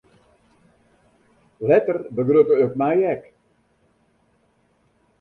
Letter begrutte it my ek.